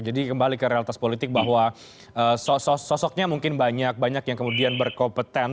jadi kembali ke realitas politik bahwa sosoknya mungkin banyak banyak yang kemudian berkompeten